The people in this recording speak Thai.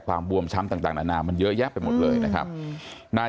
บวมช้ำต่างนานามันเยอะแยะไปหมดเลยนะครับนาย